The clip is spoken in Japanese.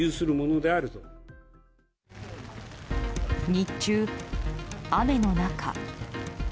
日中、雨の中。